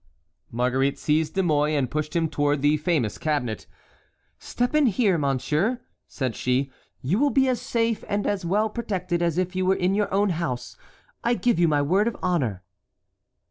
Marguerite seized De Mouy and pushed him towards the famous cabinet. "Step in here, monsieur," said she; "you will be as safe and as well protected as if you were in your own house; I give you my word of honor."